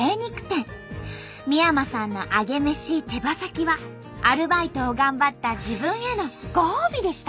三山さんのアゲメシ手羽先はアルバイトを頑張った自分へのご褒美でした。